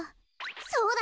そうだ！